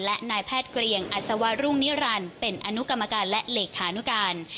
และนายแพทย์เกรียงอัศวรุ่งนิรันดิ์เป็นอนุกรรมการและเลขานุการ